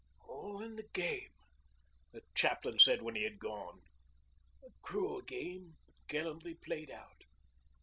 'All in the game,' the chaplain said when he had gone; 'a cruel game, but gallantly played out.